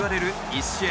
１試合